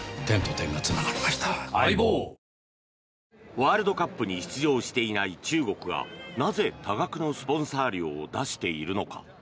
ワールドカップに出場していない中国がなぜ多額のスポンサー料を出しているのか。